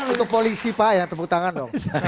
untuk polisi pak yang tepuk tangan dong